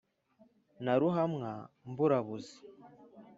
na ruhamwa mburabuzi